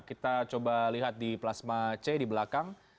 kita coba lihat di plasma c di belakang